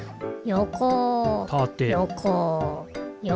よこ。